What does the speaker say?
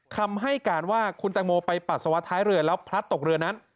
คำให้การว่าคุณแตงโมไปปัสสาวะท้ายเรือแล้วพลัดตกเรือนั้น